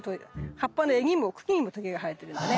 葉っぱの柄にも茎にもとげが生えてるんだね。